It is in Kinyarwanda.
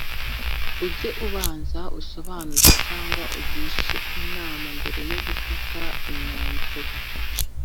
ujye ubanza usobanuze cyangwa ugishe inama mbere yo gufata imyanzuro